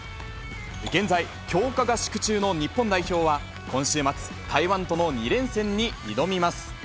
現在、強化合宿中の日本代表は、今週末、台湾との２連戦に挑みます。